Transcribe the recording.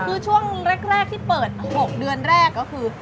คือช่วงแรกที่เปิด๖เดือนแรกก็คือ